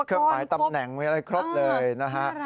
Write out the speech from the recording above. เครื่องหมายตำแหน่งมีอะไรครบเลยนะฮะ